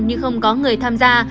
nhưng không có người tham gia